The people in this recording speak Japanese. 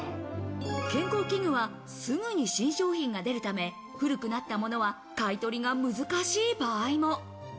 健康器具は、すぐに新商品が出るため、古くなったものは買取が難しい場合も。